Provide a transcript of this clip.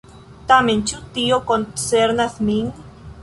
Tamen, ĉu tio koncernas min?